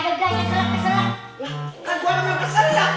pake dada gasnya selap selap